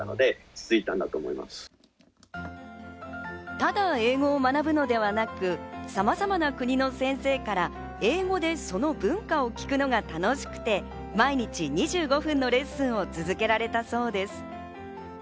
ただ英語を学ぶのではなく、さまざまな国の先生から英語でその文化を聞くのが楽しくて、毎日２５分のレッスンを続けられたそうです。